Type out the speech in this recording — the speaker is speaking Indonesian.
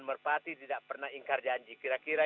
merpati tidak pernah ingkar janji kira kira